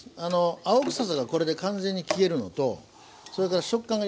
青臭さがこれで完全に消えるのとそれから食感が良くなります。